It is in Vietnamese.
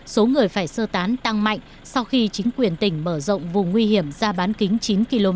số người phải sơ tán tăng mạnh sau khi chính quyền tỉnh mở rộng vùng nguy hiểm ra bán kính chín km quanh ngọn núi lửa này